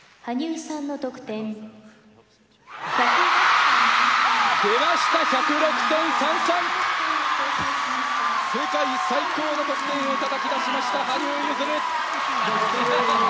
世界最高の得点をたたき出しました羽生結弦！